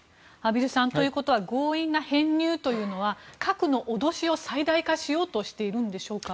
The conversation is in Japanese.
畔蒜さんということは強引な編入は核の脅しを最大化しようとしているんでしょうか。